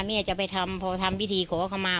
แม่จะไปทำพอทำพิธีขอเข้ามา